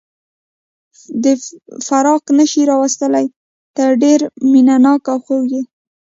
فراق نه شي راوستلای، ته ډېر مینه ناک او خوږ یې.